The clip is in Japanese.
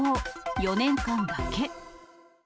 ４年間だけ。